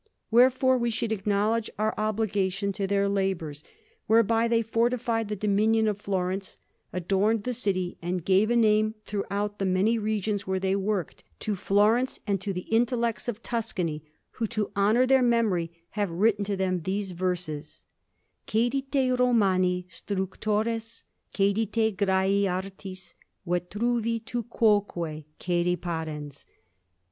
Wherefore we should acknowledge our obligation to their labours, whereby they fortified the dominion of Florence, adorned the city, and gave a name, throughout the many regions where they worked, to Florence and to the intellects of Tuscany, who, to honour their memory, have written to them these verses Cedite Romani structores, cedite Graii, Artis, Vitruvi, tu quoque cede parens.